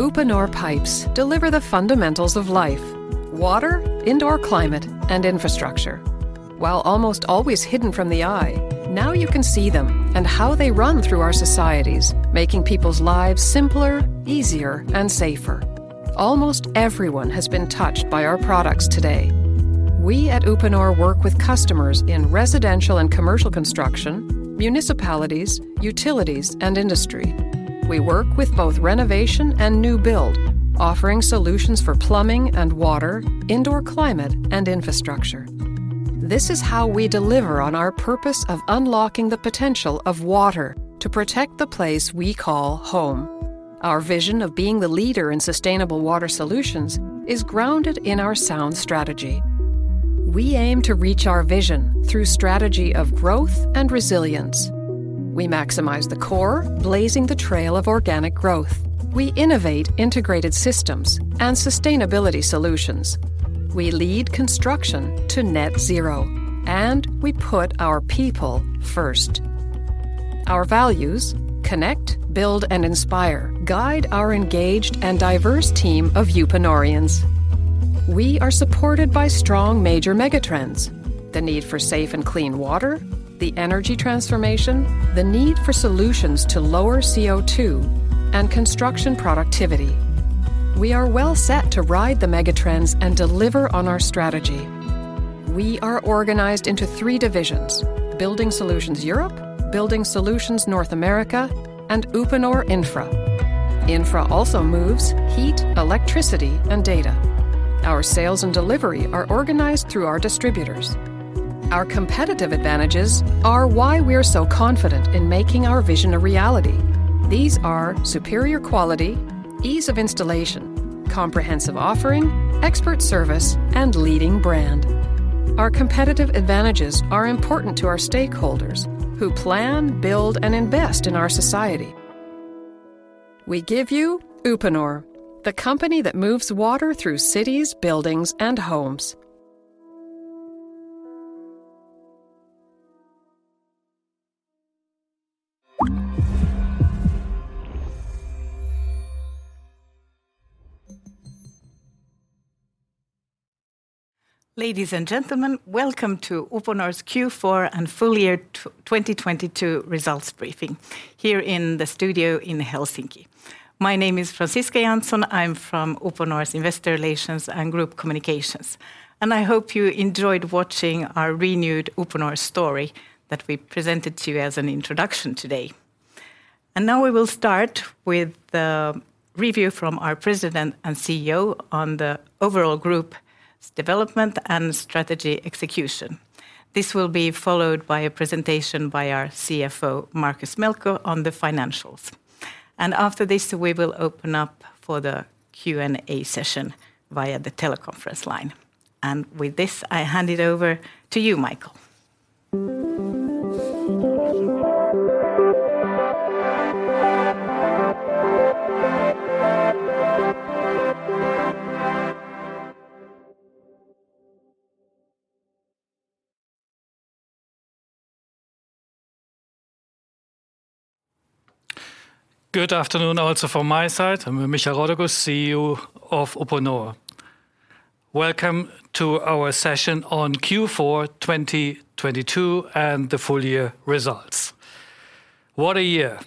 Uponor pipes deliver the fundamentals of life, water, indoor climate, and infrastructure. While almost always hidden from the eye, now you can see them and how they run through our societies making people's lives simpler, easier, and safer. Almost everyone has been touched by our products today. We at Uponor work with customers in residential and commercial construction, municipalities, utilities, and industry. We work with both renovation and new build, offering solutions for plumbing and water, indoor climate and infrastructure. This is how we deliver on our purpose of unlocking the potential of water to protect the place we call home. Our vision of being the leader in sustainable water solutions is grounded in our sound strategy. We aim to reach our vision through strategy of growth and resilience. We maximize the core, blazing the trail of organic growth. We innovate integrated systems and sustainability solutions. We lead construction to net zero. We put our People First. Our values, connect, build, and inspire, guide our engaged and diverse team of Uponorians. We are supported by strong major megatrends, the need for safe and clean water, the energy transformation, the need for solutions to lower CO2, and construction productivity. We are well set to ride the megatrends and deliver on our strategy. We are organized into three divisions: Building Solutions Europe, Building Solutions North America, and Uponor Infra. Infra also moves heat, electricity, and data. Our sales and delivery are organized through our distributors. Our competitive advantages are why we're so confident in making our vision a reality. These are superior quality, ease of installation, comprehensive offering, expert service, and leading brand. Our competitive advantages are important to our stakeholders who plan, build, and invest in our society. We give you Uponor, the company that moves water through cities, buildings, and homes. Ladies and gentlemen, welcome to Uponor's Q4 and full year 2022 results briefing here in the studio in Helsinki. My name is Franciska Janzon. I'm from Uponor's Investor Relations and Group Communications, I hope you enjoyed watching our renewed Uponor story that we presented to you as an introduction today. Now we will start with the review from our President and CEO on the overall group development and strategy execution. This will be followed by a presentation by our CFO, Markus Melkko, on the financials. After this, we will open up for the Q&A session via the teleconference line. With this, I hand it over to you, Michael. Good afternoon also from my side. I'm Michael Rauterkus, CEO of Uponor. Welcome to our session on Q4 2022 and the full year results. What a year.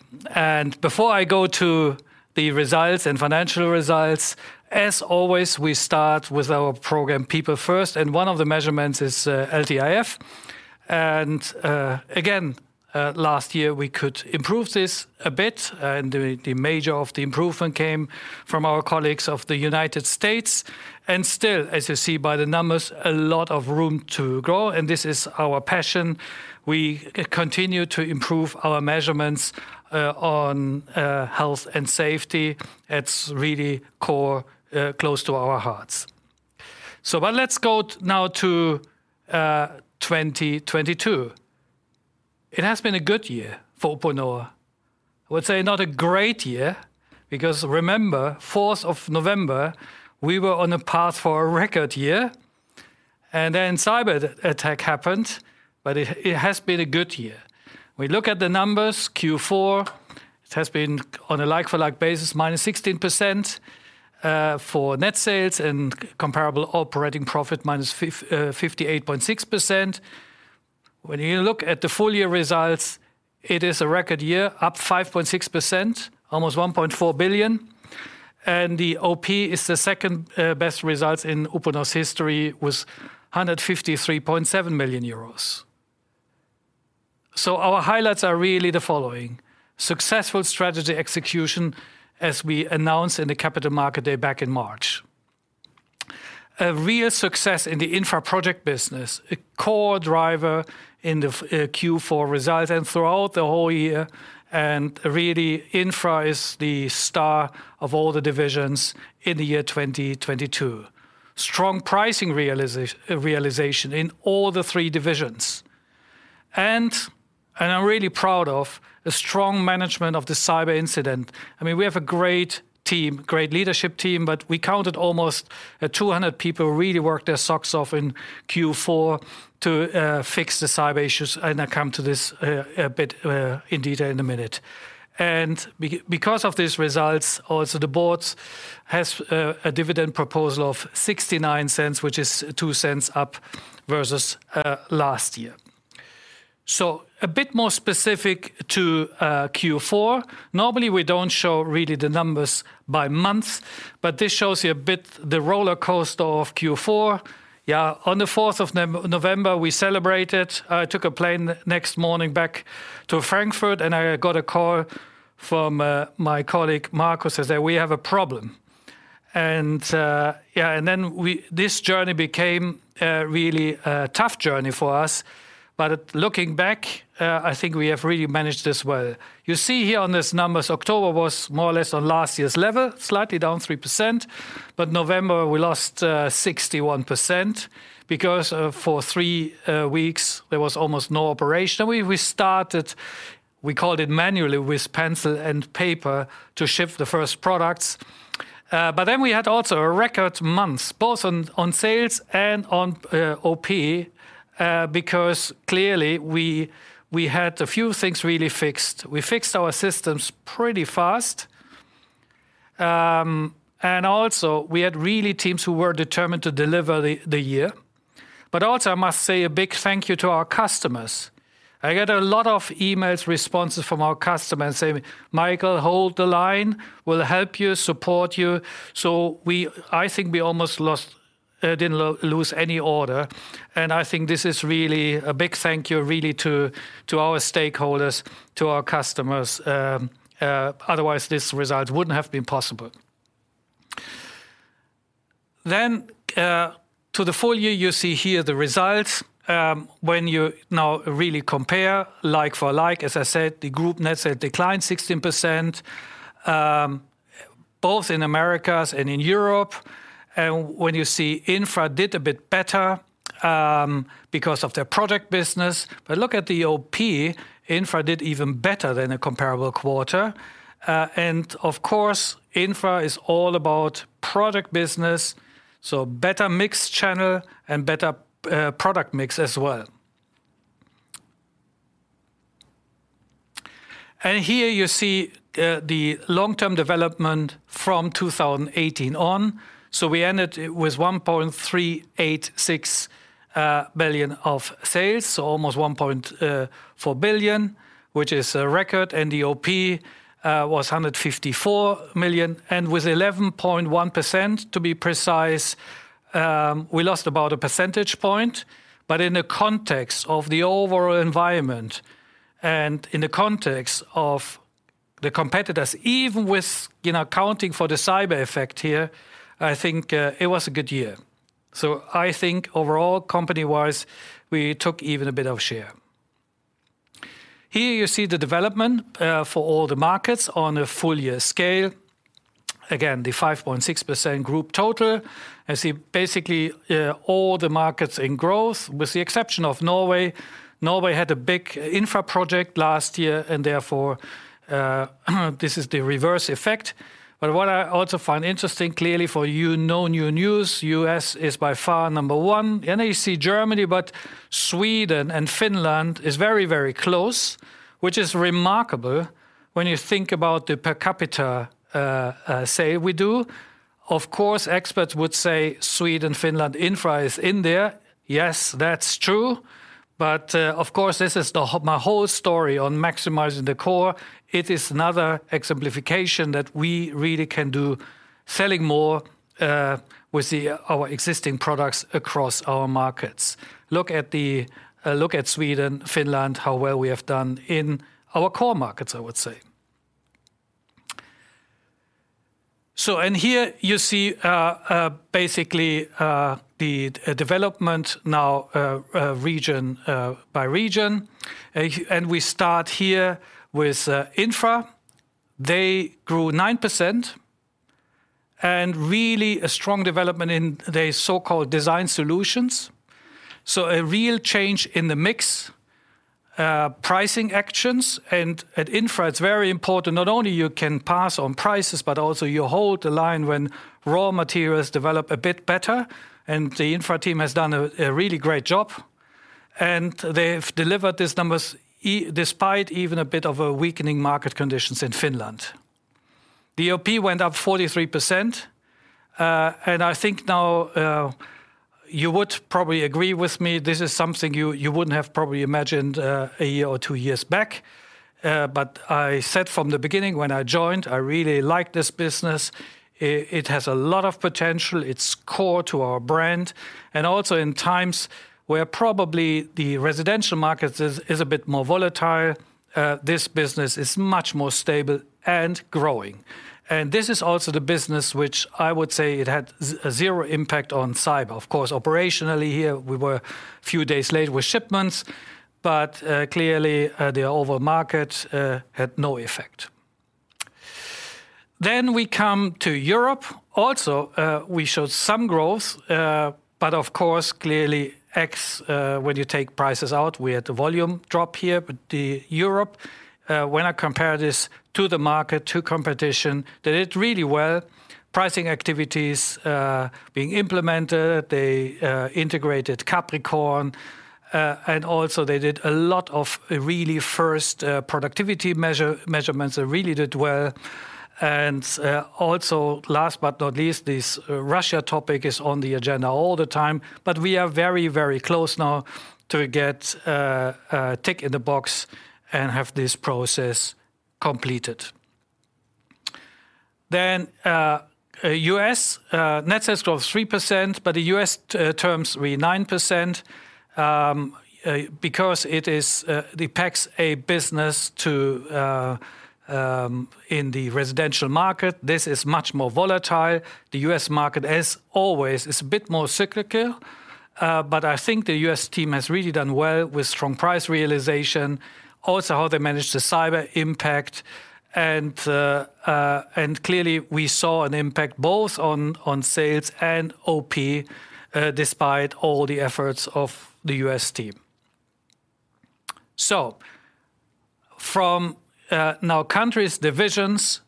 Before I go to the results and financial results, as always, we start with our program People First, and one of the measurements is LTIF. Again, last year, we could improve this a bit, and the major of the improvement came from our colleagues of the United States. Still, as you see by the numbers, a lot of room to grow, and this is our passion. We continue to improve our measurements on health and safety. It's really core, close to our hearts. Let's go now to 2022. It has been a good year for Uponor. I would say not a great year because remember fourth of November, we were on a path for a record year. Cyber attack happened, but it has been a good year. We look at the numbers, Q4 has been on a like-for-like basis minus 16% for net sales and comparable operating profit minus 58.6%. When you look at the full year results, it is a record year, up 5.6%, almost 1.4 billion, and the OP is the second best results in Uponor's history with 153.7 million euros. Our highlights are really the following. Successful strategy execution as we announced in the Capital Markets Day back in March. A real success in the Infra project business, a core driver in the Q4 results and throughout the whole year, and really Infra is the star of all the divisions in the year 2022. Strong pricing realization in all the three divisions. I mean, I'm really proud of a strong management of the cyber incident. We have a great team, great leadership team, but we counted almost 200 people who really worked their socks off in Q4 to fix the cyber issues. I come to this a bit in detail in a minute. Because of these results, also the board has a dividend proposal of 0.69, which is 0.02 up versus last year. A bit more specific to Q4. Normally, we don't show really the numbers by month. This shows you a bit the rollercoaster of Q4. On the 4th of November, we celebrated. I took a plane the next morning back to Frankfurt. I got a call from my colleague, Marco, says that, "We have a problem." This journey became a really tough journey for us. Looking back, I think we have really managed this well. You see here on these numbers, October was more or less on last year's level, slightly down 3%, but November, we lost 61% because for three weeks, there was almost no operation. We started, we called it manually with pencil and paper to ship the first products. We had also a record month, both on sales and on OP, because clearly we had a few things really fixed. We fixed our systems pretty fast. We had really teams who were determined to deliver the year. I must say a big thank you to our customers. I got a lot of emails, responses from our customers saying, "Michael, hold the line. We'll help you, support you." I think we almost lost, didn't lose any order. I think this is really a big thank you really to our stakeholders, to our customers. Otherwise, this result wouldn't have been possible. To the full year, you see here the results. When you now really compare like for like, as I said, the group net sale declined 16%, both in Americas and in Europe. When you see Infra did a bit better, because of their product business. Look at the OP, Infra did even better than a comparable quarter. Of course, Infra is all about product business, so better mixed channel and better product mix as well. Here you see the long-term development from 2018 on. We ended with 1.386 billion of sales, so almost 1.4 billion, which is a record. The OP was 154 million. With 11.1%, to be precise, we lost about a percentage point. In the context of the overall environment and in the context of the competitors, even with, you know, accounting for the cyber effect here, I think, it was a good year. I think overall, company-wise, we took even a bit of share. Here you see the development for all the markets on a full-year scale. Again, the 5.6% group total. You see basically all the markets in growth, with the exception of Norway. Norway had a big Infra project last year, and therefore, this is the reverse effect. What I also find interesting, clearly for you, no new news, U.S. is by far number one. Now you see Germany, but Sweden and Finland is very, very close, which is remarkable when you think about the per capita say we do. Of course, experts would say Sweden, Finland Infra is in there. Yes, that's true. Of course, this is my whole story on maximizing the core. It is another exemplification that we really can do selling more with our existing products across our markets. Look at Sweden, Finland, how well we have done in our core markets, I would say. Here you see basically the development now region by region. We start here with Infra. They grew 9% and really a strong development in the so-called design solutions. A real change in the mix, pricing actions. At Infra, it's very important, not only you can pass on prices, but also you hold the line when raw materials develop a bit better. The Infra team has done a really great job, and they've delivered these numbers despite even a bit of a weakening market conditions in Finland. The OP went up 43%. I think now, you would probably agree with me this is something you wouldn't have probably imagined, a year or two years back. I said from the beginning when I joined, I really like this business. It has a lot of potential. It's core to our brand. Also in times where probably the residential markets is a bit more volatile, this business is much more stable and growing. This is also the business which I would say it had zero impact on cyber. Of course, operationally here, we were a few days late with shipments, but clearly the overall market had no effect. We come to Europe. Also, we showed some growth, but of course, clearly when you take prices out, we had a volume drop here. The Europe, when I compare this to the market, to competition, they did really well. Pricing activities being implemented. They integrated Capricorn, and also they did a lot of really first productivity measurements. They really did well. Also last but not least, this Russia topic is on the agenda all the time, but we are very, very close now to get a tick in the box and have this process completed. U.S. net sales growth 3%, but the U.S. terms were 9%, because it is the PEX-A business in the residential market. This is much more volatile. The U.S. market, as always, is a bit more cyclical, but I think the U.S. team has really done well with strong price realization. Also, how they managed the cyber impact and clearly we saw an impact both on sales and OP, despite all the efforts of the U.S. team. From now countries, divisions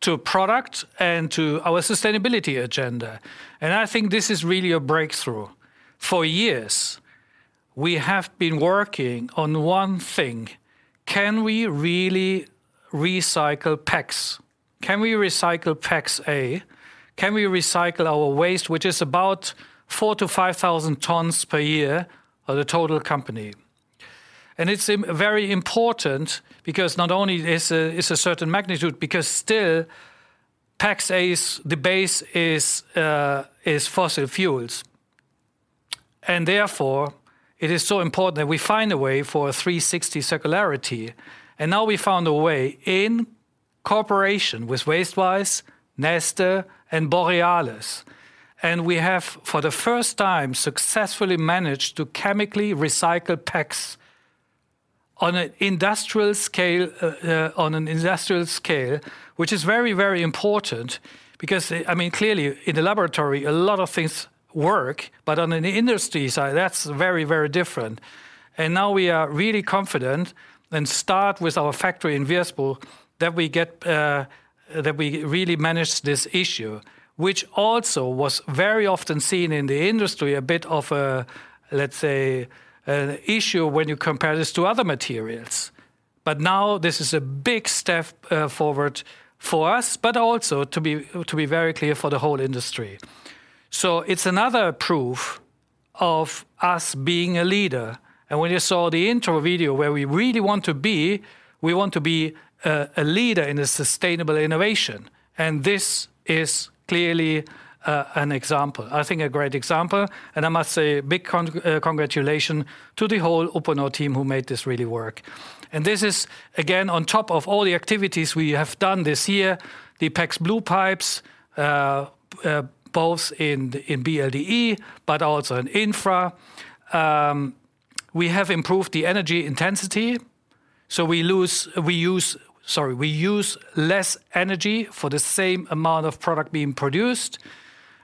to product and to our sustainability agenda, and I think this is really a breakthrough. For years, we have been working on one thing. Can we really recycle PEX? Can we recycle PEX-A? Can we recycle our waste, which is about 4,000-5,000 tons per year of the total company? It's very important because not only is a certain magnitude, because still PEX-A's, the base is fossil fuels. Therefore, it is so important that we find a way for 360 circularity. Now we found a way in cooperation with Wastewise, Neste, and Borealis. We have, for the first time, successfully managed to chemically recycle PEX on an industrial scale, which is very, very important because, I mean, clearly in the laboratory, a lot of things work, but on an industry side, that's very, very different. Now we are really confident and start with our factory in Virsbo that we get, that we really manage this issue, which also was very often seen in the industry a bit of a, let's say, an issue when you compare this to other materials. Now this is a big step, forward for us, but also to be very clear for the whole industry. It's another proof of us being a leader. When you saw the intro video where we really want to be, we want to be a leader in a sustainable innovation. This is clearly an example. I think a great example, and I must say big congratulation to the whole Uponor team who made this really work. This is again, on top of all the activities we have done this year, the PEX blue pipes, both in BS-E but also in infra. We have improved the energy intensity, so we use less energy for the same amount of product being produced.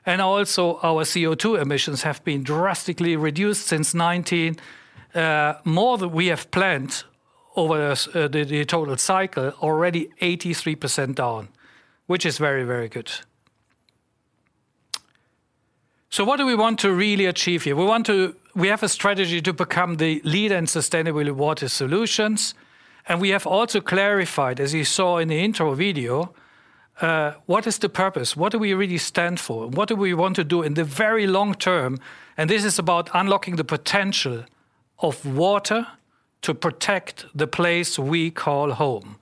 Also our CO2 emissions have been drastically reduced since 2019, more than we have planned over the total cycle, already 83% down, which is very, very good. What do we want to really achieve here? We have a strategy to become the lead in sustainable water solutions. We have also clarified, as you saw in the intro video, what is the purpose? What do we really stand for? What do we want to do in the very long term? This is about unlocking the potential of water to protect the place we call home.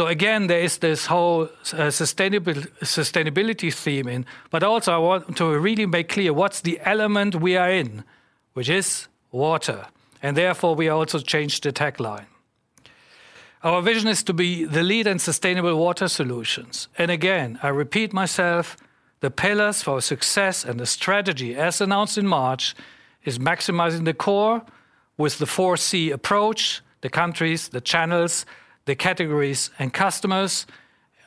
Again, there is this whole sustainability theme in, but also I want to really make clear what's the element we are in, which is water, and therefore we also change the tagline. Our vision is to be the lead in sustainable water solutions. Again, I repeat myself, the pillars for success and the strategy, as announced in March, is maximizing the core with the 4C approach, the countries, the channels, the categories and customers,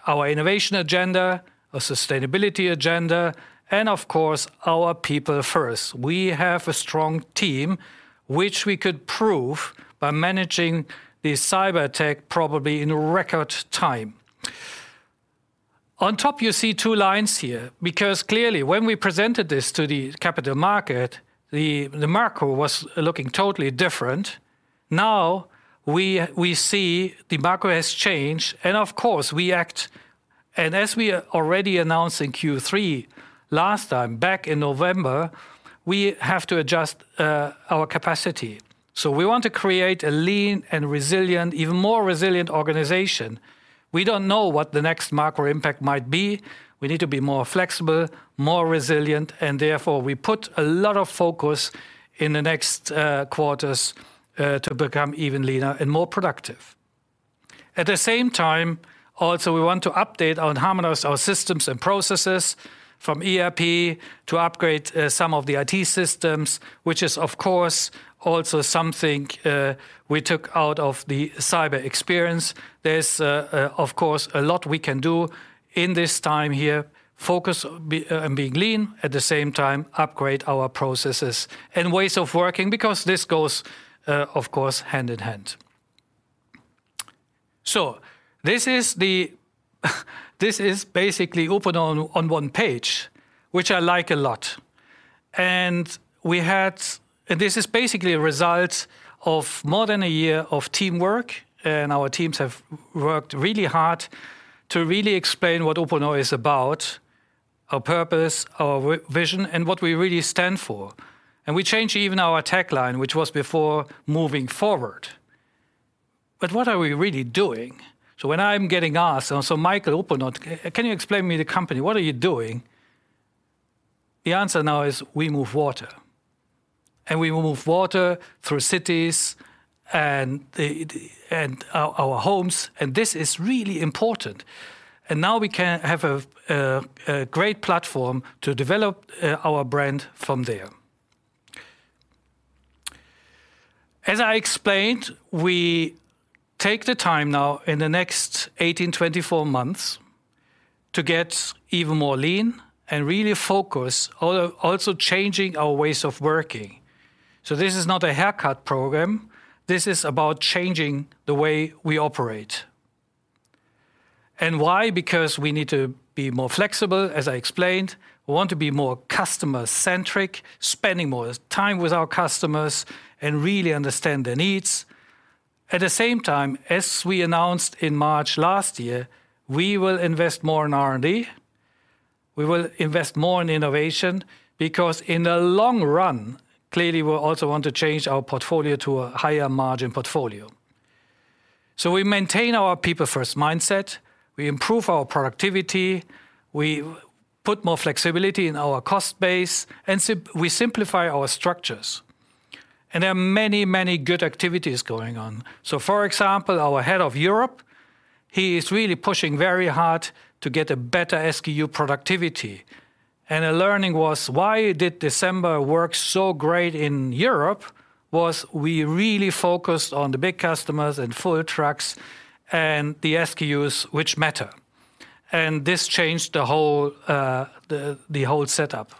our innovation agenda, our sustainability agenda, and of course, our People First. We have a strong team, which we could prove by managing the cyberattack probably in record time. On top, you see two lines here, because clearly when we presented this to the capital market, the macro was looking totally different. Now we see the macro has changed and of course we act. As we already announced in Q3 last time back in November, we have to adjust our capacity. We want to create a lean and resilient, even more resilient organization. We don't know what the next macro impact might be. We need to be more flexible, more resilient. Therefore we put a lot of focus in the next quarters to become even leaner and more productive. At the same time, also we want to update and harmonize our systems and processes from ERP to upgrade some of the IT systems, which is of course also something we took out of the cyber experience. There's of course a lot we can do in this time here, focus on being lean, at the same time upgrade our processes and ways of working because this goes of course hand in hand. This is basically Uponor on one page, which I like a lot. This is basically a result of more than a year of teamwork, and our teams have worked really hard to really explain what Uponor is about, our purpose, our vision, and what we really stand for. We changed even our tagline, which was before Moving Forward. What are we really doing? When I'm getting asked, "Michael, Uponor, can you explain me the company? What are you doing?" The answer now is we move water, and we move water through cities and the... Our homes, and this is really important. Now we can have a great platform to develop our brand from there. As I explained, we take the time now in the next 18-24 months to get even more lean and really focus also changing our ways of working. This is not a haircut program. This is about changing the way we operate. Why? Because we need to be more flexible, as I explained. We want to be more customer centric, spending more time with our customers and really understand their needs. At the same time, as we announced in March last year, we will invest more in R&D, we will invest more in innovation because in the long run, clearly we also want to change our portfolio to a higher margin portfolio. We maintain our People First mindset, we improve our productivity, we put more flexibility in our cost base, and we simplify our structures. There are many good activities going on. For example, our head of Europe, he is really pushing very hard to get a better SKU productivity. A learning was why did December work so great in Europe was we really focused on the big customers and full trucks and the SKUs which matter. This changed the whole setup.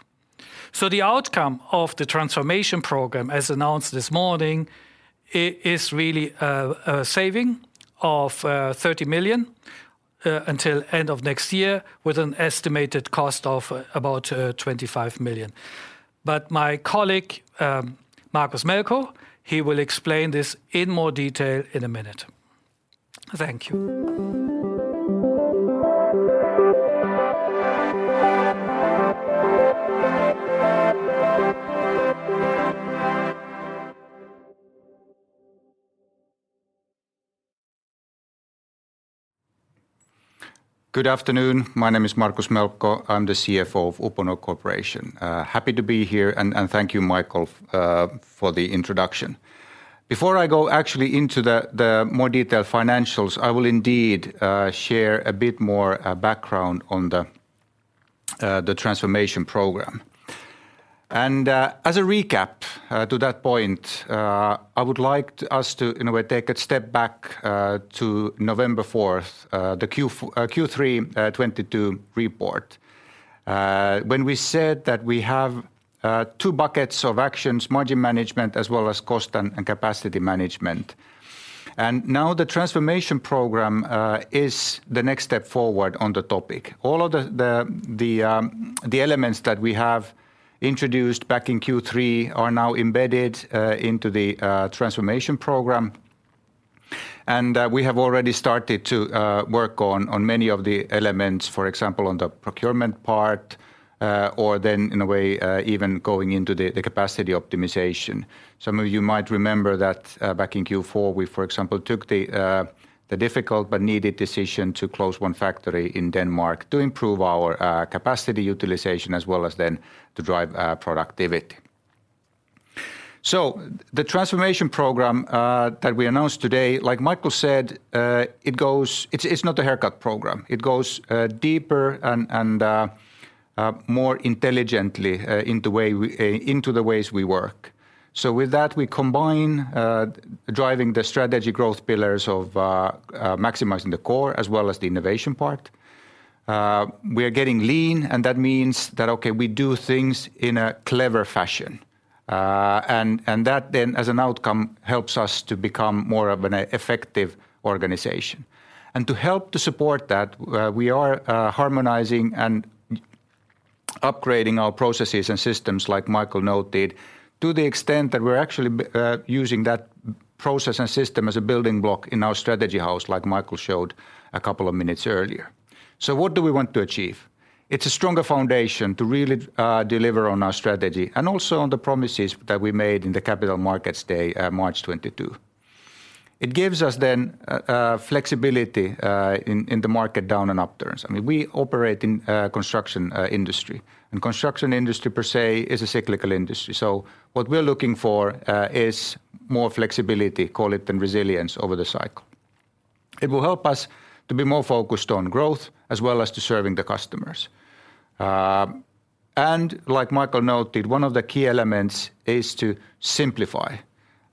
The outcome of the transformation program, as announced this morning, is really a saving of 30 million until end of next year with an estimated cost of about 25 million. My colleague, Markus Melkko, he will explain this in more detail in a minute. Thank you. Good afternoon. My name is Markus Melkko. I'm the CFO of Uponor Corporation. Happy to be here, and thank you, Michael, for the introduction. Before I go actually into the more detailed financials, I will indeed share a bit more background on the transformation program. As a recap to that point, I would like us to in a way take a step back to November 4th, the Q3 2022 report, when we said that we have two buckets of actions, margin management as well as cost and capacity management. Now the transformation program is the next step forward on the topic. All of the elements that we have introduced back in Q3 are now embedded into the transformation program. We have already started to work on many of the elements, for example, on the procurement part, or then in a way, even going into the capacity optimization. Some of you might remember that back in Q4 we, for example, took the difficult but needed decision to close one factory in Denmark to improve our capacity utilization as well as then to drive our productivity. The transformation program that we announced today, like Michael said, it's not a haircut program. It goes deeper and more intelligently into the ways we work. With that we combine driving the strategy growth pillars of maximizing the core as well as the innovation part. We are getting lean, and that means that, okay, we do things in a clever fashion. That then as an outcome helps us to become more of an effective organization. To help to support that, we are harmonizing and upgrading our processes and systems, like Michael noted, to the extent that we're actually using that process and system as a building block in our strategy house, like Michael showed a couple of minutes earlier. What do we want to achieve? It's a stronger foundation to really deliver on our strategy and also on the promises that we made in the Capital Markets Day in March 2022. It gives us then flexibility in the market down and up turns. I mean, we operate in construction industry, and construction industry per se is a cyclical industry. What we're looking for is more flexibility, call it, and resilience over the cycle. It will help us to be more focused on growth as well as to serving the customers. Like Michael noted, one of the key elements is to simplify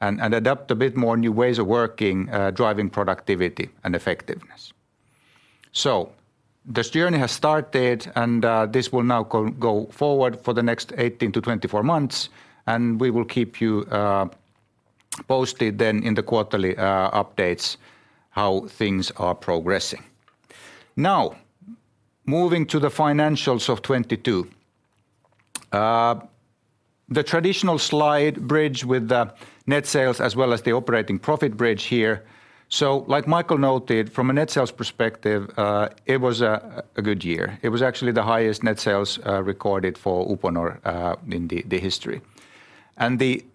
and adapt a bit more new ways of working, driving productivity and effectiveness. This journey has started, and this will now go forward for the next 18 to 24 months, and we will keep you posted then in the quarterly updates how things are progressing. Moving to the financials of 2022. The traditional slide bridge with the net sales as well as the operating profit bridge here. Like Michael Rauterkus noted, from a net sales perspective, it was a good year. It was actually the highest net sales recorded for Uponor in the history. The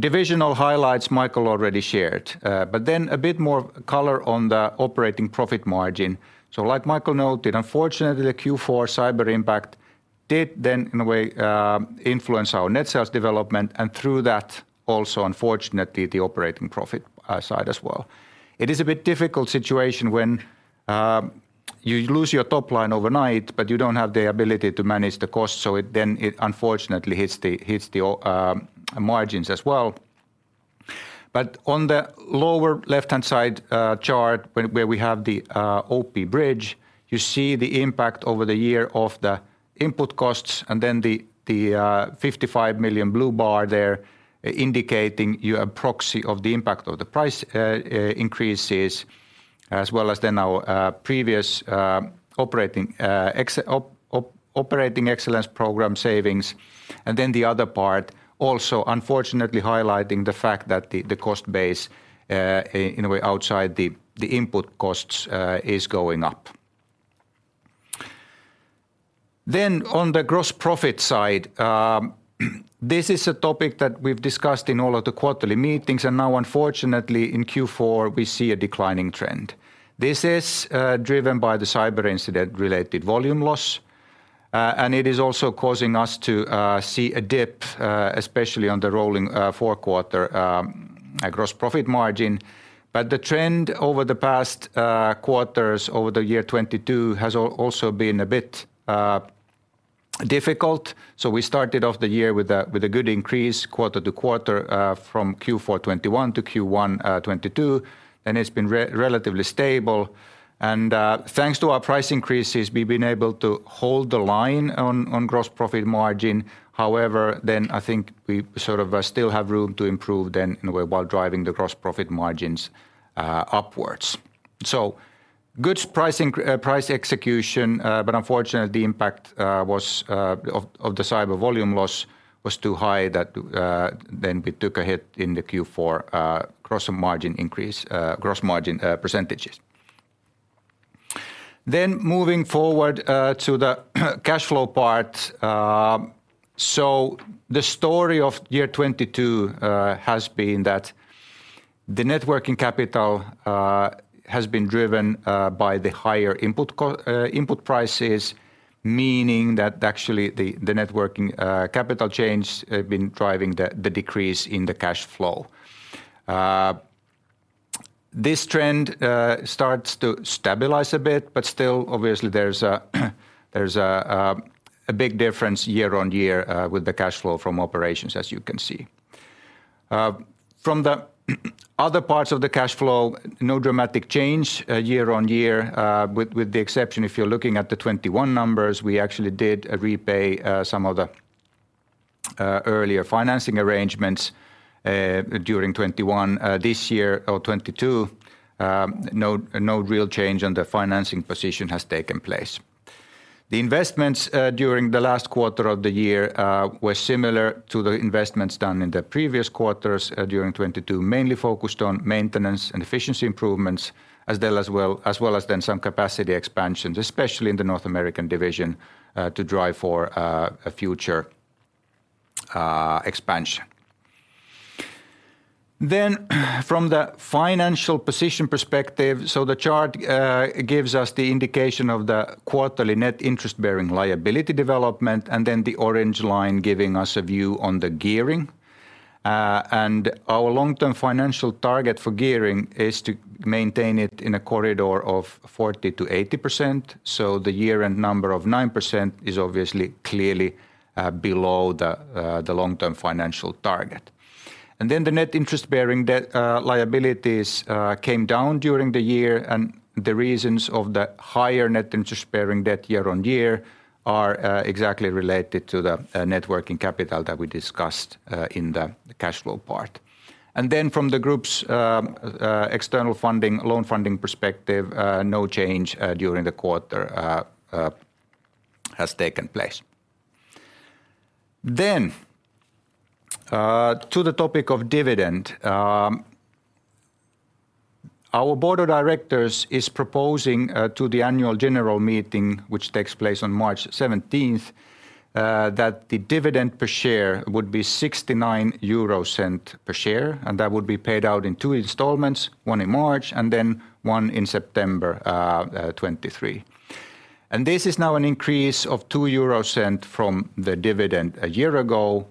divisional highlights Michael Rauterkus already shared, but then a bit more color on the operating profit margin. Like Michael Rauterkus noted, unfortunately the Q4 cyber impact did then in a way influence our net sales development and through that also unfortunately the operating profit side as well. It is a bit difficult situation when you lose your top line overnight, but you don't have the ability to manage the cost. It then it unfortunately hits the margins as well. On the lower left-hand side, chart where we have the OP bridge, you see the impact over the year of the input costs and then the 55 million blue bar there indicating a proxy of the impact of the price increases as well as then our previous operating excellence program savings. The other part also unfortunately highlighting the fact that the cost base, in a way outside the input costs, is going up. On the gross profit side, this is a topic that we've discussed in all of the quarterly meetings, and now unfortunately in Q4 we see a declining trend. This is driven by the cyber incident-related volume loss, and it is also causing us to see a dip, especially on the rolling four quarter gross profit margin. The trend over the past quarters over the year 2022 has also been a bit difficult. We started off the year with a good increase quarter to quarter, from Q4 2021 to Q1 2022, and it's been relatively stable. Thanks to our price increases, we've been able to hold the line on gross profit margin. However, then I think we sort of still have room to improve then in a way while driving the gross profit margins upwards. Good price execution, but unfortunately the impact of the cyber volume loss was too high that then we took a hit in the Q4 gross margin increase, gross margin percentages. Moving forward to the cash flow part. The story of year 2022 has been that the net working capital has been driven by the higher input prices, meaning that actually the net working capital change has been driving the decrease in the cash flow. This trend starts to stabilize a bit, but still obviously there's a big difference year-on-year with the cash flow from operations, as you can see. From the other parts of the cash flow, no dramatic change year on year, with the exception if you're looking at the 2021 numbers, we actually did repay some of the earlier financing arrangements during 2021, this year or 2022. No real change on the financing position has taken place. The investments during the last quarter of the year were similar to the investments done in the previous quarters during 2022, mainly focused on maintenance and efficiency improvements, as well as then some capacity expansions, especially in the North American division, to drive for a future expansion. From the financial position perspective, the chart gives us the indication of the quarterly net interest-bearing liability development, the orange line giving us a view on the gearing. Our long-term financial target for gearing is to maintain it in a corridor of 40%-80%. The year-end number of 9% is obviously clearly below the long-term financial target. The net interest-bearing debt liabilities came down during the year, and the reasons of the higher net interest-bearing debt year-on-year are exactly related to the net working capital that we discussed in the cash flow part. From the Group's external funding, loan funding perspective, no change during the quarter has taken place. To the topic of dividend. Our board of directors is proposing to the annual general meeting, which takes place on March 17th, that the dividend per share would be 0.69 per share, and that would be paid out in two installments, one in March and then one in September, 2023. This is now an increase of 0.02 from the dividend a year ago.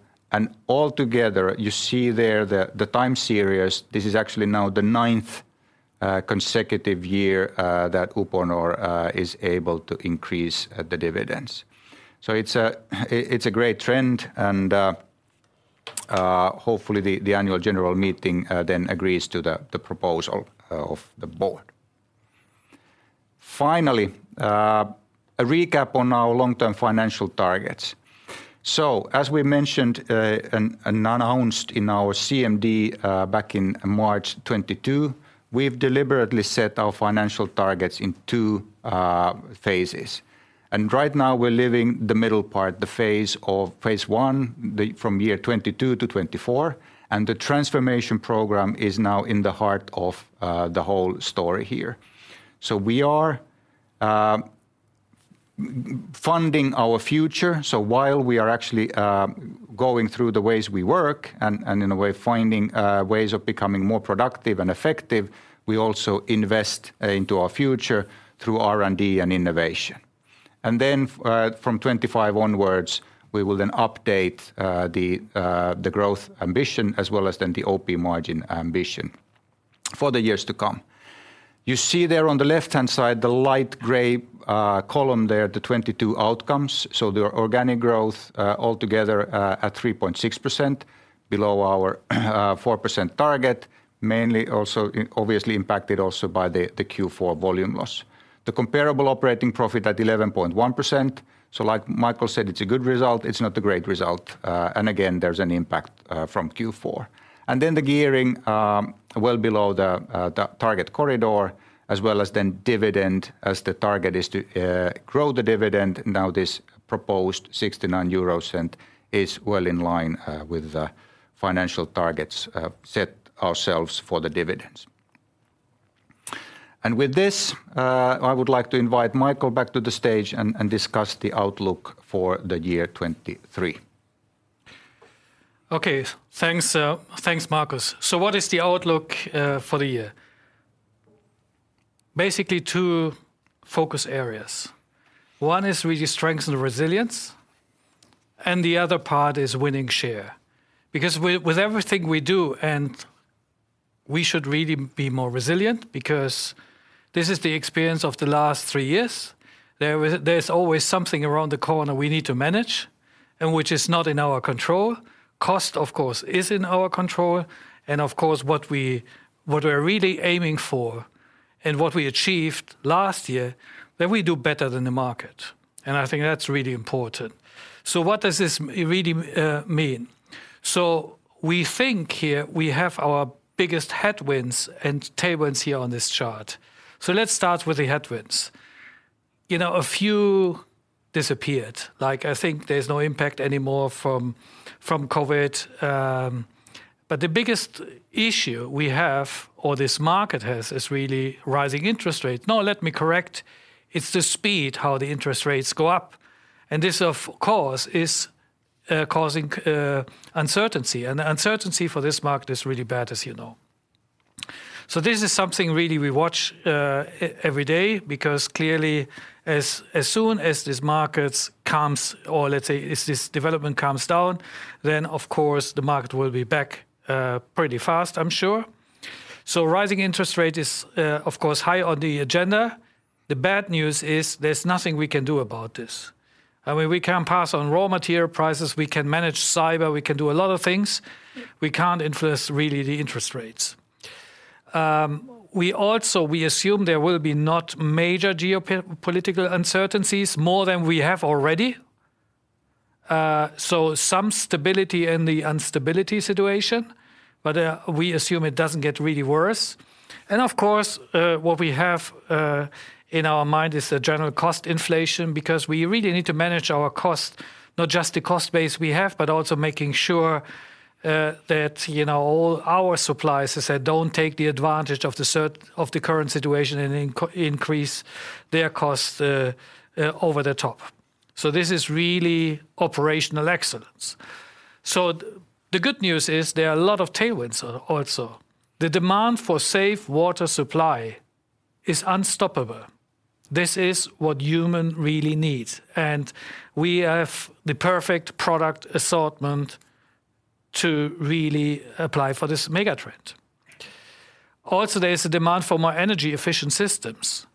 Altogether, you see there the time series, this is actually now the ninth consecutive year that Uponor is able to increase the dividends. It's a great trend, and hopefully the annual general meeting then agrees to the proposal of the board. Finally, a recap on our long-term financial targets. As we mentioned, and announced in our CMD, back in March 2022, we've deliberately set our financial targets in two phases. Right now we're living the middle part, the phase of phase one, the from year 2022 to 2024, and the transformation program is now in the heart of the whole story here. We are funding our future. While we are actually going through the ways we work, and in a way finding ways of becoming more productive and effective, we also invest into our future through R&D and innovation. Then from 2025 onwards, we will then update the growth ambition as well as then the OP margin ambition for the years to come. You see there on the left-hand side, the light gray column there, the 2022 outcomes. The organic growth, all together, at 3.6% below our 4% target, mainly also obviously impacted also by the Q4 volume loss. The comparable operating profit at 11.1%. Like Michael said, it's a good result. It's not a great result. And again, there's an impact from Q4. The gearing, well below the target corridor as well as then dividend as the target is to grow the dividend. This proposed 0.69 is well in line with the financial targets set ourselves for the dividends. With this, I would like to invite Michael back to the stage and discuss the outlook for the year 2023. Okay. Thanks, thanks, Markus. What is the outlook for the year? Basically two focus areas. One is really strengthen resilience, and the other part is winning share. With everything we do, and we should really be more resilient because this is the experience of the last three years. There's always something around the corner we need to manage and which is not in our control. Cost, of course, is in our control. Of course, what we're really aiming for and what we achieved last year, that we do better than the market, and I think that's really important. What does this really mean? We think here we have our biggest headwinds and tailwinds here on this chart. Let's start with the headwinds. You know, a few disappeared. I think there's no impact anymore from COVID, but the biggest issue we have or this market has, is really rising interest rates. Let me correct. It's the speed how the interest rates go up, and this, of course, is causing uncertainty. The uncertainty for this market is really bad, as you know. This is something really we watch every day because clearly as soon as these markets calms, or let's say it's this development calms down, then of course the market will be back pretty fast, I'm sure. Rising interest rate is of course high on the agenda. The bad news is there's nothing we can do about this. I mean, we can pass on raw material prices. We can manage cyber. We can do a lot of things. We can't influence really the interest rates. We also assume there will be not major geopolitical uncertainties more than we have already. Some stability in the instability situation, we assume it doesn't get really worse. Of course, what we have in our mind is the general cost inflation because we really need to manage our cost, not just the cost base we have, but also making sure that, you know, all our suppliers, I said, don't take the advantage of the current situation and increase their costs over the top. This is really operational excellence. The good news is there are a lot of tailwinds also. The demand for safe water supply is unstoppable. This is what human really needs, and we have the perfect product assortment to really apply for this megatrend. There is a demand for more energy efficient systems.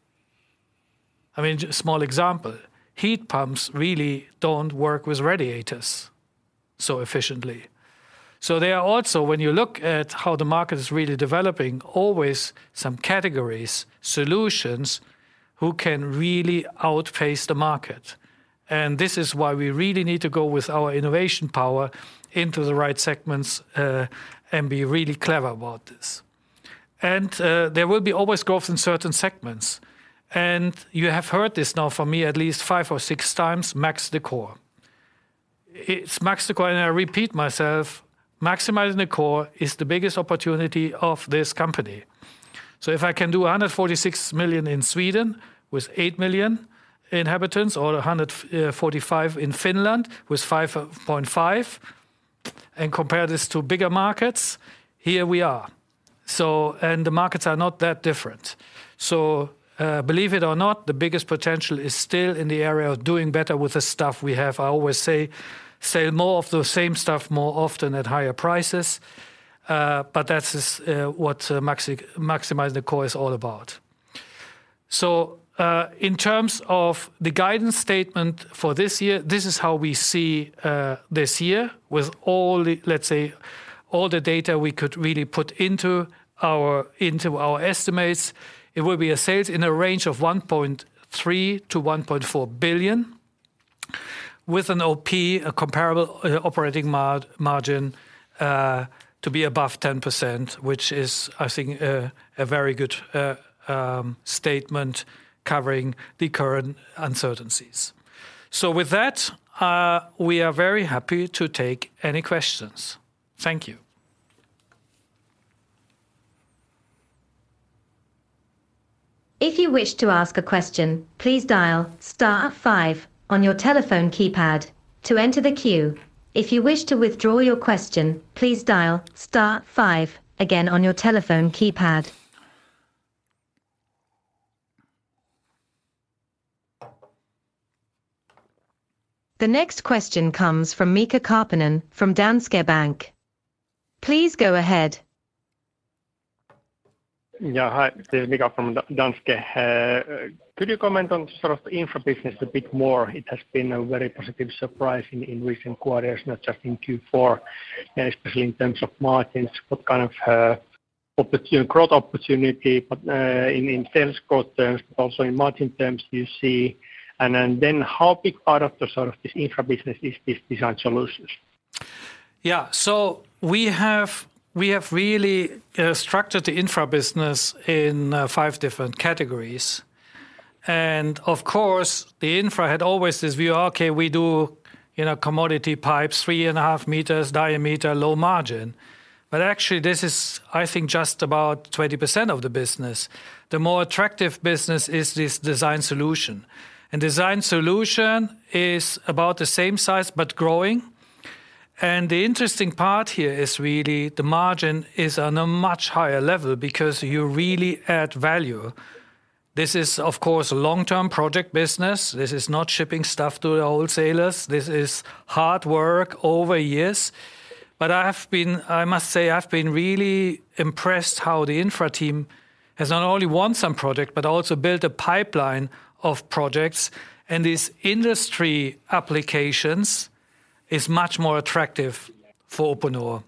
I mean, small example, heat pumps really don't work with radiators so efficiently. There are also, when you look at how the market is really developing, always some categories, solutions who can really outpace the market. This is why we really need to go with our innovation power into the right segments and be really clever about this. There will be always growth in certain segments. You have heard this now from me at least five or six times, max the core. It's max the core, and I repeat myself, maximizing the core is the biggest opportunity of this company. If I can do 146 million in Sweden with 8 million inhabitants or 145 million in Finland with 5.5 million inhabitants. Compare this to bigger markets, here we are. The markets are not that different. Believe it or not, the biggest potential is still in the area of doing better with the stuff we have. I always say, "Sell more of the same stuff more often at higher prices." That is what maximizing the core is all about. In terms of the guidance statement for this year, this is how we see this year with all the, let's say, all the data we could really put into our estimates. It will be a sales in a range of 1.3 billion-1.4 billion, with an OP, a comparable, operating margin, to be above 10%, which is, I think, a very good statement covering the current uncertainties. With that, we are very happy to take any questions. Thank you. If you wish to ask a question, please dial star five on your telephone keypad to enter the queue. If you wish to withdraw your question, please dial star five again on your telephone keypad. The next question comes from Mika Karppinen from Danske Bank. Please go ahead. Yeah, hi. This is Mika from Danske. Could you comment on sort of the Infra business a bit more? It has been a very positive surprise in recent quarters, not just in Q4, especially in terms of margins, what kind of opportunity, growth opportunity, but in sales growth terms, but also in margin terms you see. Then how big part of the sort of this Infra business is this design solutions? Yeah. We have, we have really structured the Infra business in five different categories. Of course, the Infra had always this view, okay, we do, you know, commodity pipes, three and a half meters diameter, low margin. Actually this is, I think, just about 20% of the business. The more attractive business is this design solution. Design solution is about the same size, but growing. The interesting part here is really the margin is on a much higher level because you really add value. This is of course, long-term project business. This is not shipping stuff to the wholesalers. This is hard work over years. I have been... I must say I've been really impressed how the Infra team has not only won some project, but also built a pipeline of projects and these industry applications is much more attractive for Uponor.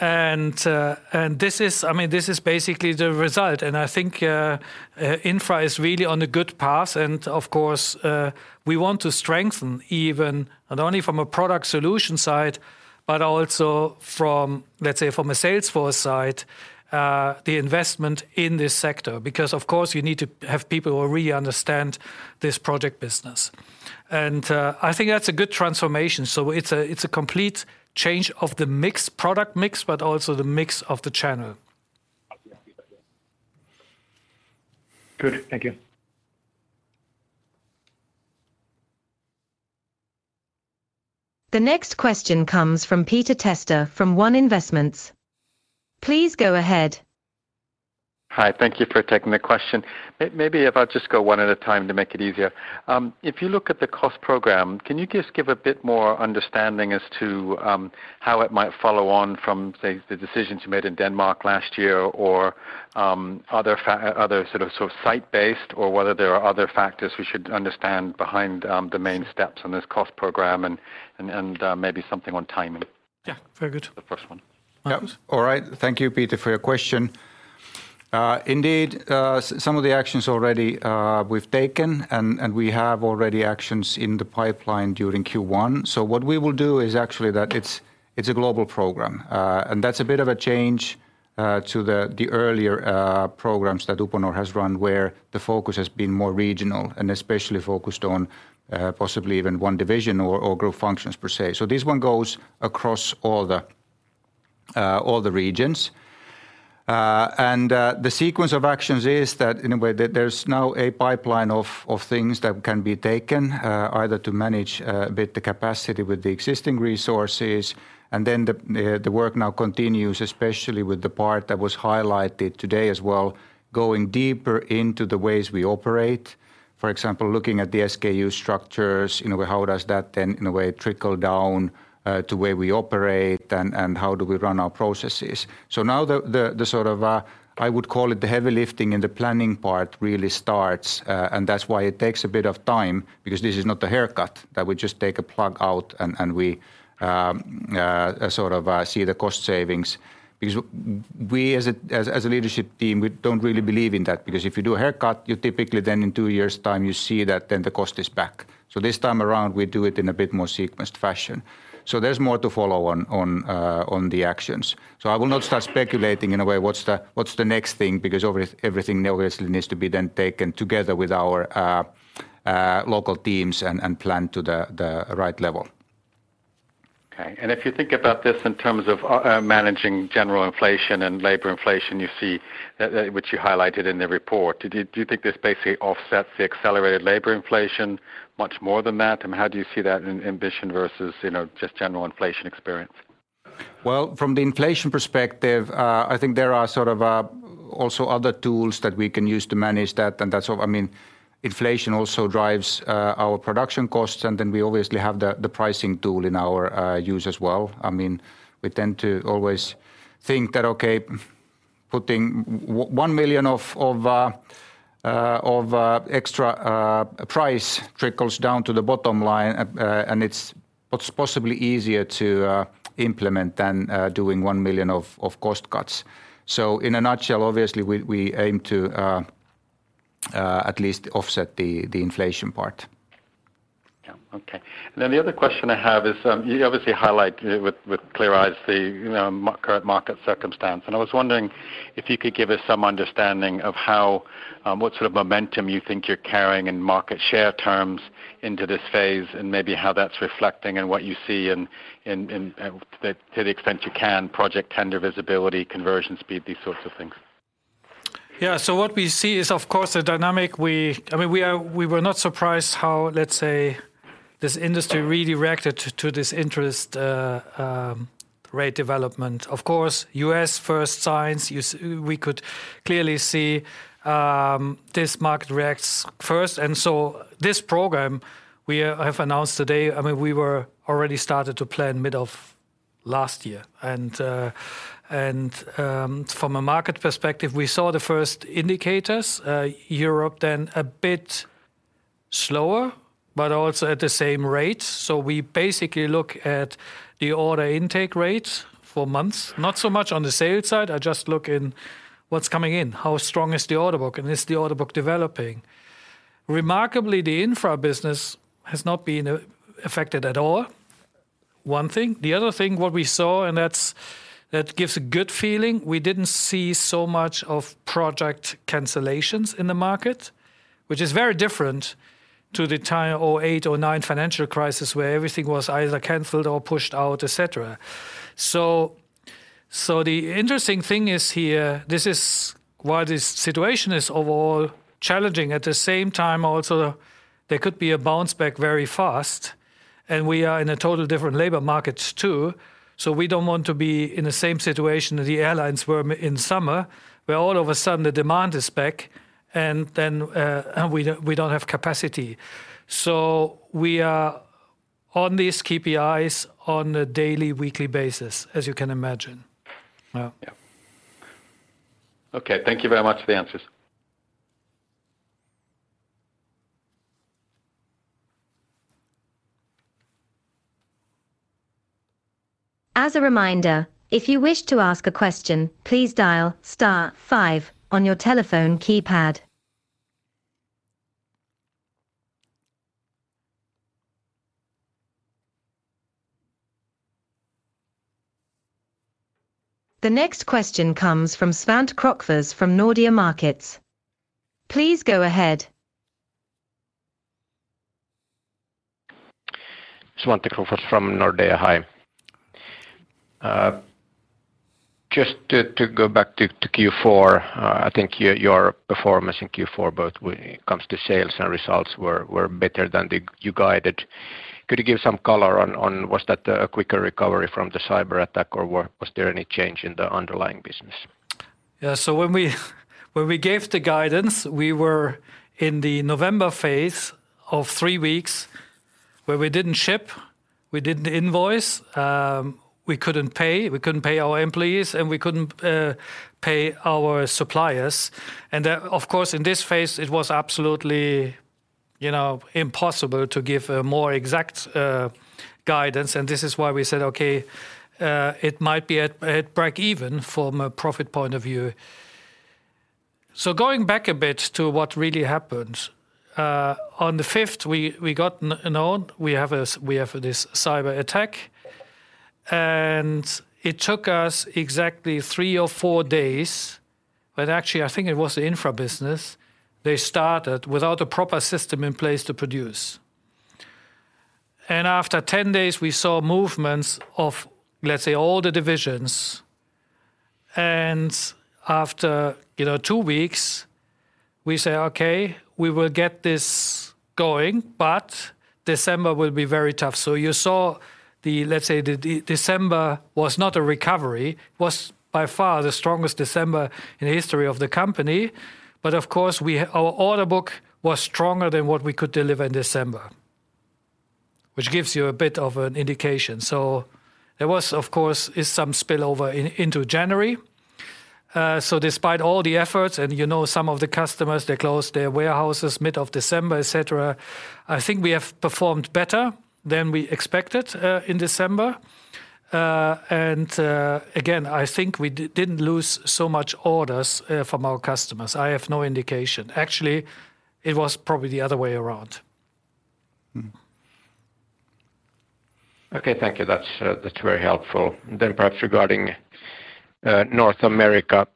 I mean, this is basically the result and I think Infra is really on a good path and of course, we want to strengthen even, not only from a product solution side, but also from, let's say from a sales force side, the investment in this sector. Because of course you need to have people who really understand this project business. I think that's a good transformation. It's a complete change of the mix, product mix, but also the mix of the channel. Good. Thank you. The next question comes from Peter Testa from One Investments. Please go ahead. Hi. Thank you for taking the question. Maybe if I just go one at a time to make it easier. If you look at the cost program, can you just give a bit more understanding as to how it might follow on from, say, the decisions you made in Denmark last year or other sort of site-based or whether there are other factors we should understand behind the main steps on this cost program and maybe something on timing? Yeah. Very good. The first one. Markus? Yeah. All right. Thank you, Peter, for your question. Indeed, some of the actions already we've taken and we have already actions in the pipeline during Q1. What we will do is actually that it's a global program. That's a bit of a change to the earlier programs that Uponor has run where the focus has been more regional and especially focused on possibly even one division or group functions per se. This one goes across all the regions. And the sequence of actions is that there is now a pipeline of things that can be taken either to manage a bit the capacity with the existing resources, and then the work now continues, especially with the part that was highlighted today as well, going deeper into the ways we operate. For example, looking at the SKU structures, you know, how does that then in a way trickle down to where we operate and how do we run our processes. Now the sort of, I would call it the heavy lifting and the planning part really starts, and that is why it takes a bit of time because this is not a haircut that we just take a plug out and we sort of see the cost savings We as a leadership team, we don't really believe in that because if you do a haircut, you typically then in two years' time you see that then the cost is back. This time around we do it in a bit more sequenced fashion. There's more to follow on the actions. I will not start speculating in a way, what's the next thing because everything obviously needs to be then taken together with our local teams and planned to the right level. If you think about this in terms of managing general inflation and labor inflation, you see, which you highlighted in the report, do you think this basically offsets the accelerated labor inflation much more than that? I mean, how do you see that in ambition versus, you know, just general inflation experience? From the inflation perspective, I think there are sort of also other tools that we can use to manage that, I mean, inflation also drives our production costs, and then we obviously have the pricing tool in our use as well. I mean, we tend to always think that, okay, putting 1 million of extra price trickles down to the bottom line, and it's what's possibly easier to implement than doing 1 million of cost cuts. In a nutshell, obviously, we aim to at least offset the inflation part. Yeah. Okay. Then the other question I have is, you obviously highlight with clear eyes the, you know, current market circumstance. I was wondering if you could give us some understanding of how what sort of momentum you think you're carrying in market share terms into this phase, and maybe how that's reflecting in what you see in to the extent you can, project tender visibility, conversion speed, these sorts of things? What we see is, of course, a dynamic I mean, we were not surprised how, let's say, this industry really reacted to this interest rate development. Of course, U.S. first signs, we could clearly see, this market reacts first. This program we have announced today, I mean, we were already started to plan mid of last year. From a market perspective, we saw the first indicators, Europe then a bit slower, but also at the same rate. We basically look at the order intake rate for months, not so much on the sales side. I just look in what's coming in, how strong is the order book, and is the order book developing. Remarkably, the Infra business has not been affected at all, one thing. The other thing, what we saw, and that's, that gives a good feeling, we didn't see so much of project cancellations in the market, which is very different to the 2008, 2009 financial crisis, where everything was either canceled or pushed out, et cetera. The interesting thing is here, this is while this situation is overall challenging, at the same time also there could be a bounce back very fast, and we are in a total different labor markets too. We don't want to be in the same situation as the airlines were in summer, where all of a sudden the demand is back and then, and we don't, we don't have capacity. We are on these KPIs on a daily, weekly basis, as you can imagine. Yeah. Yeah. Okay. Thank you very much for the answers. As a reminder, if you wish to ask a question, please dial star five on your telephone keypad. The next question comes from Svante Krokfors from Nordea Markets. Please go ahead. Svante Krokfors from Nordea. Hi. Just to go back to Q4, I think your performance in Q4, both when it comes to sales and results were better than you guided. Could you give some color on was that a quicker recovery from the cyberattack, or was there any change in the underlying business? Yeah. When we gave the guidance, we were in the November phase of three weeks where we didn't ship, we didn't invoice, we couldn't pay, we couldn't pay our employees, and we couldn't pay our suppliers. Of course, in this phase, it was absolutely, you know, impossible to give a more exact guidance, and this is why we said, "Okay, it might be at breakeven from a profit point of view." Going back a bit to what really happened, on the fifth, we got known we have this cyberattack, and it took us exactly three or four days, but actually I think it was the Infra business. They started without a proper system in place to produce. After 10 days, we saw movements of, let's say, all the divisions. After, you know, two weeks we say, "Okay, we will get this going, but December will be very tough." You saw the, let's say, the December was not a recovery, was by far the strongest December in the history of the company. Of course our order book was stronger than what we could deliver in December, which gives you a bit of an indication. Despite all the efforts, and you know some of the customers, they closed their warehouses mid of December, et cetera. I think we have performed better than we expected in December. And again, I think we didn't lose so much orders from our customers. I have no indication. Actually, it was probably the other way around. Mm-hmm. Okay. Thank you. That's, that's very helpful. Perhaps regarding North America,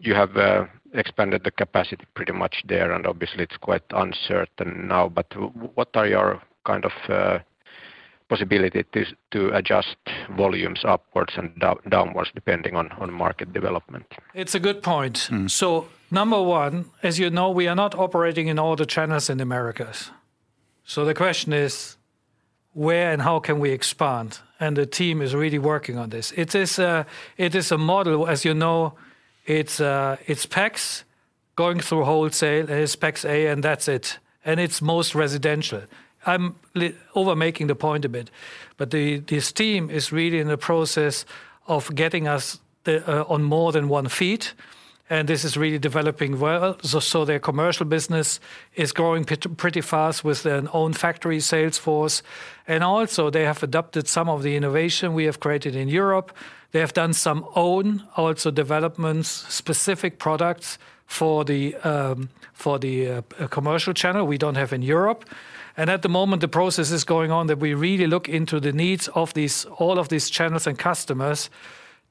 you have expanded the capacity pretty much there, Obviously it's quite uncertain now, but what are your kind of possibility to adjust volumes upwards and downwards depending on market development? It's a good point. Mm-hmm. Number one, as you know, we are not operating in all the channels in Americas. The question is where and how can we expand? The team is really working on this. It is a model, as you know, it's packs going through wholesale. It is packs A and that's it, and it's most residential. I'm over making the point a bit, but this team is really in the process of getting us the on more than one feet, and this is really developing well. Their commercial business is growing pretty fast with their own factory sales force. Also, they have adopted some of the innovation we have created in Europe. They have done some own also developments, specific products for the commercial channel we don't have in Europe. At the moment, the process is going on that we really look into the needs of these, all of these channels and customers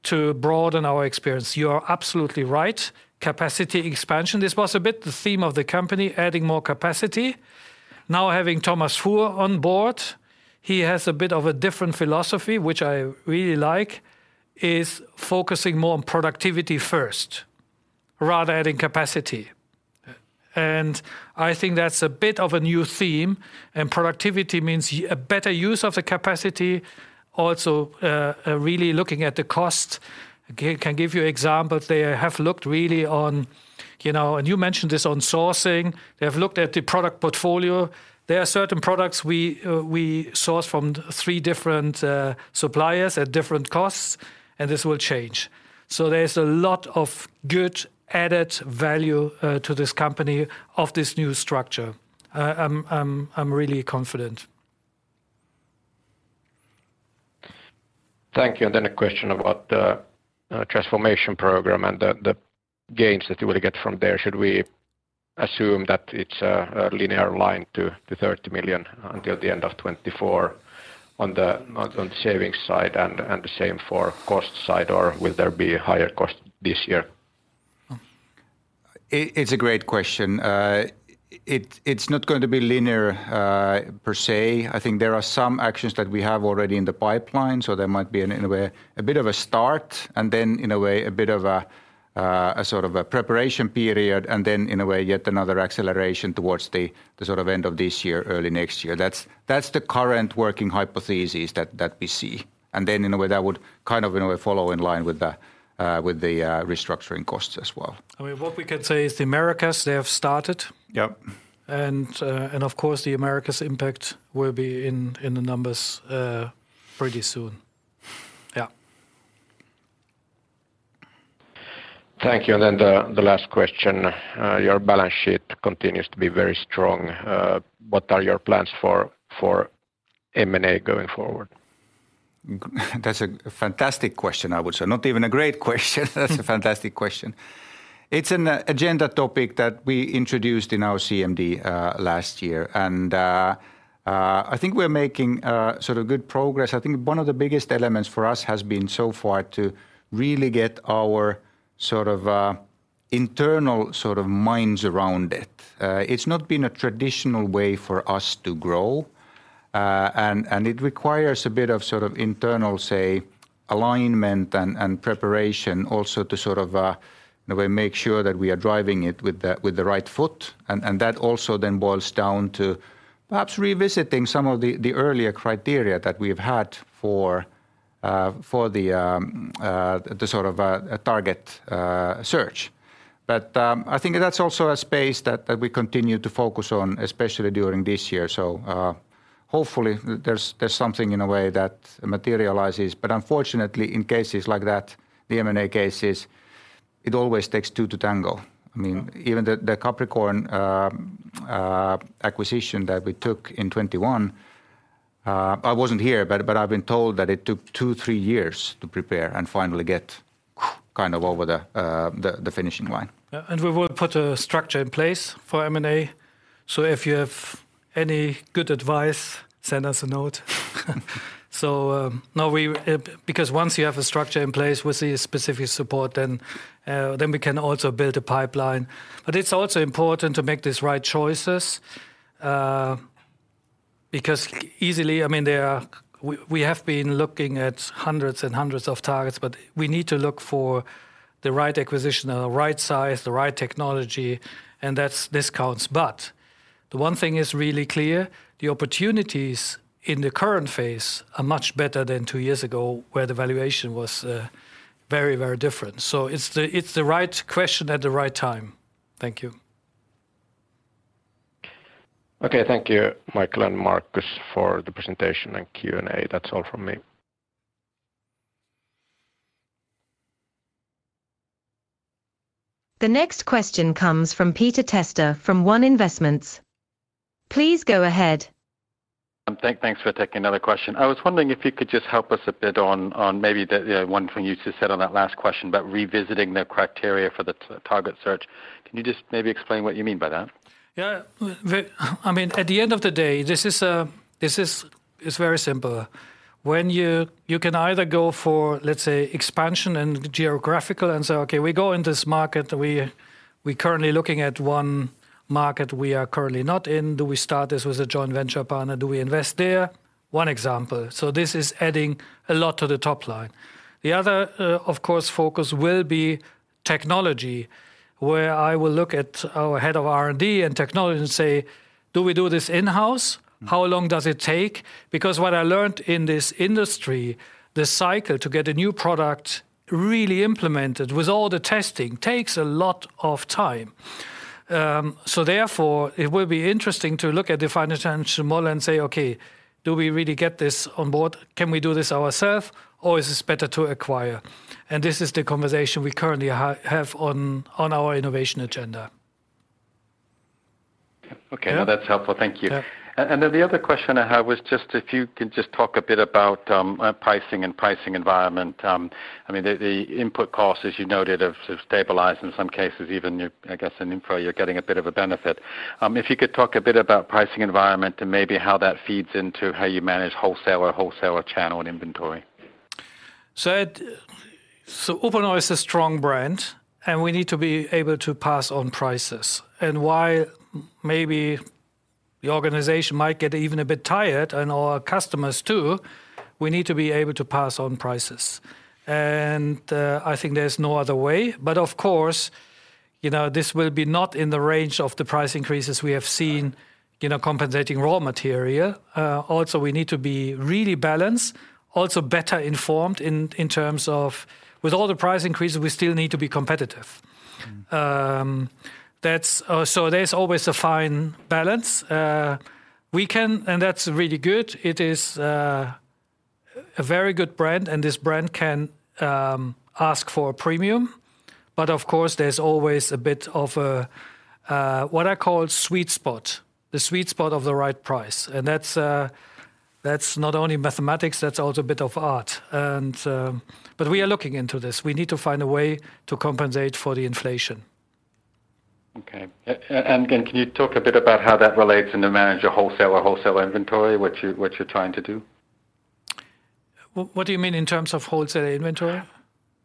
to broaden our experience. You are absolutely right. Capacity expansion, this was a bit the theme of the company, adding more capacity. Now having Thomas Fuhr on board, he has a bit of a different philosophy, which I really like, is focusing more on productivity first rather adding capacity. I think that's a bit of a new theme, and productivity means a better use of the capacity also, really looking at the cost. Can give you example. They have looked really on, you know. You mentioned this on sourcing. They have looked at the product portfolio. There are certain products we source from three different suppliers at different costs, and this will change. There's a lot of good added value to this company of this new structure. I'm really confident. Thank you. A question about the transformation program and the gains that you will get from there. Should we assume that it's a linear line to 30 million until the end of 2024 on the savings side and the same for cost side, or will there be higher cost this year? It's a great question. It's not going to be linear per se. I think there are some actions that we have already in the pipeline, so there might be in a way a bit of a start and then in a way a bit of a sort of a preparation period and then in a way yet another acceleration towards the sort of end of this year, early next year. That's the current working hypothesis that we see. Then in a way that would kind of in a way follow in line with the with the restructuring costs as well. I mean, what we can say is the Americas, they have started. Yep. And of course the Americas impact will be in the numbers pretty soon. Yeah. Thank you. The last question. Your balance sheet continues to be very strong. What are your plans for M&A going forward? That's a fantastic question, I would say. Not even a great question. That's a fantastic question. It's an agenda topic that we introduced in our CMD last year and I think we're making sort of good progress. I think one of the biggest elements for us has been so far to really get our sort of internal sort of minds around it. It's not been a traditional way for us to grow. It requires a bit of sort of internal, say, alignment and preparation also to sort of in a way make sure that we are driving it with the right foot. That also then boils down to perhaps revisiting some of the earlier criteria that we've had for the sort of target search. I think that's also a space that we continue to focus on, especially during this year. Hopefully there's something in a way that materializes. Unfortunately in cases like that, the M&A cases, it always takes two to tango. I mean, even the Capricorn acquisition that we took in 2021, I wasn't here, but I've been told that it took two, three years to prepare and finally get kind of over the finishing line. Yeah. We will put a structure in place for M&A, so if you have any good advice, send us a note. No we... Because once you have a structure in place with the specific support then we can also build a pipeline. It's also important to make these right choices, because easily, I mean, there are... We have been looking at hundreds and hundreds of targets, but we need to look for the right acquisition, the right size, the right technology, and that's... This counts. The one thing is really clear, the opportunities in the current phase are much better than two years ago where the valuation was very, very different. It's the, it's the right question at the right time. Thank you. Okay. Thank you, Michael and Markus, for the presentation and Q&A. That's all from me. The next question comes from Peter Testa from One Investments. Please go ahead. Thanks for taking another question. I was wondering if you could just help us a bit on maybe the one thing you just said on that last question about revisiting the criteria for the target search. Can you just maybe explain what you mean by that? Yeah. I mean, at the end of the day, this is, it's very simple. When you can either go for, let's say, expansion and geographical and say, "Okay, we go in this market. We currently looking at one market we are currently not in. Do we start this with a joint venture partner? Do we invest there?" One example. This is adding a lot to the top line. The other, of course, focus will be technology, where I will look at our head of R&D and technology and say, "Do we do this in-house? How long does it take?" Because what I learned in this industry, the cycle to get a new product really implemented with all the testing takes a lot of time. Therefore, it will be interesting to look at the financial model and say, "Okay, do we really get this on board? Can we do this ourself or is this better to acquire?" This is the conversation we currently have on our innovation agenda. Okay. Yeah. That's helpful. Thank you. Yeah. The other question I had was just if you could just talk a bit about pricing and pricing environment. I mean, the input costs, as you noted, have sort of stabilized, in some cases even I guess in info you're getting a bit of a benefit. If you could talk a bit about pricing environment and maybe how that feeds into how you manage wholesaler channel and inventory. Uponor is a strong brand, and we need to be able to pass on prices. While maybe the organization might get even a bit tired, and our customers too, we need to be able to pass on prices. I think there's no other way. Of course, you know, this will be not in the range of the price increases we have seen, you know, compensating raw material. Also, we need to be really balanced, also better informed in terms of with all the price increases, we still need to be competitive. There's always a fine balance. That's really good. It is a very good brand, and this brand can ask for a premium. Of course there's always a bit of a, what I call sweet spot, the sweet spot of the right price. That's, that's not only mathematics, that's also a bit of art. We are looking into this. We need to find a way to compensate for the inflation. Okay. Again, can you talk a bit about how that relates in the manage a wholesaler inventory, what you're trying to do? What do you mean in terms of wholesaler inventory?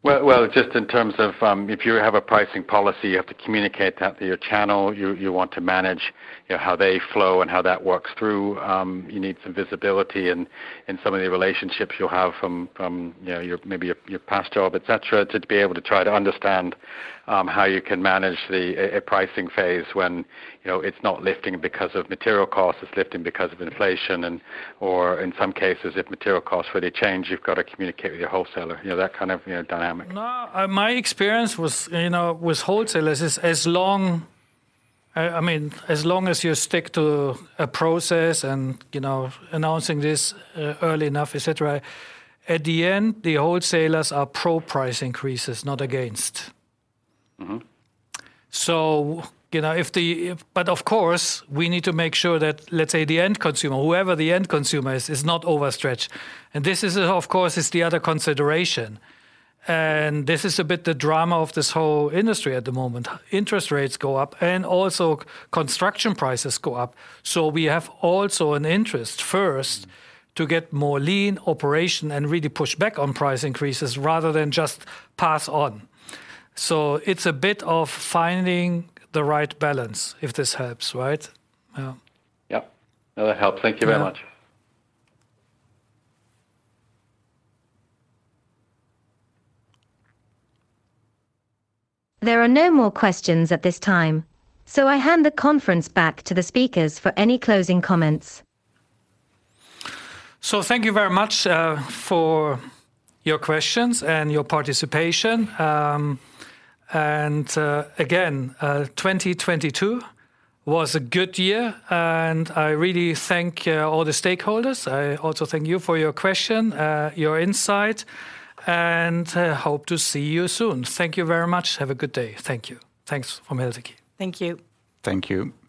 Well, just in terms of, if you have a pricing policy, you have to communicate that to your channel. You want to manage, you know, how they flow and how that works through. You need some visibility in some of the relationships you'll have from, you know, your maybe your past job, et cetera, to be able to try to understand how you can manage the pricing phase when, you know, it's not lifting because of material costs, it's lifting because of inflation or in some cases, if material costs really change, you've got to communicate with your wholesaler. You know, that kind of, you know, dynamic. No, my experience with, you know, with wholesalers, I mean, as long as you stick to a process and, you know, announcing this early enough, et cetera, at the end, the wholesalers are pro price increases, not against. Mm-hmm. You know, if the-- but of course, we need to make sure that, let's say the end consumer, whoever the end consumer is not overstretched. This is of course, is the other consideration. This is a bit the drama of this whole industry at the moment. Interest rates go up and also construction prices go up. We have also an interest first to get more lean operation and really push back on price increases rather than just pass on. It's a bit of finding the right balance, if this helps, right? Yeah. Yep. No, that helps. Thank you very much. Yeah. There are no more questions at this time. I hand the conference back to the speakers for any closing comments. Thank you very much for your questions and your participation. Again, 2022 was a good year, and I really thank all the stakeholders. I also thank you for your question, your insight, and I hope to see you soon. Thank you very much. Have a good day. Thank you. Thanks from Helsinki. Thank you. Thank you. Bye-bye.